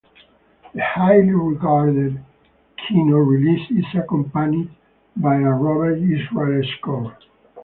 The highly regarded Kino release is accompanied by a Robert Israel score.